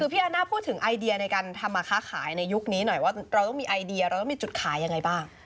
พี่อาน่าพูดถึงไอเดียในการทำมาค้าขายในยุคนี้หน่อยว่าเราต้องมีไอเดียเราต้องมีจุดขายยังไงบ้าง